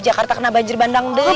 jakarta kena banjir bandang deh